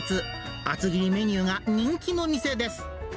厚切りメニューが人気の店です。